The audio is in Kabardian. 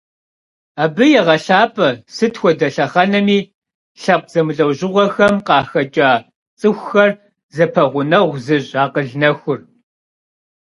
Абы егъэлъапӀэ сыт хуэдэ лъэхъэнэми лъэпкъ зэмылӀэужьыгъуэхэм къахэкӀа цӀыхухэр зэпэгъунэгъу зыщӀ акъыл нэхур.